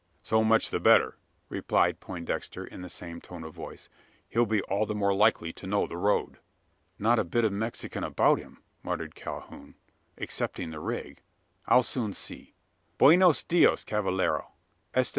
"So much the better," replied Poindexter, in the same tone of voice; "he'll be all the more likely to know the road." "Not a bit of Mexican about him," muttered Calhoun, "excepting the rig. I'll soon see. _Buenos dias, cavallero! Esta V.